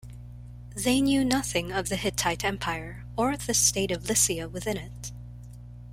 They knew nothing of the Hittite Empire or the state of Lycia within it.